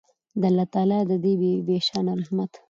د الله تعالی د دې بې شانه رحمت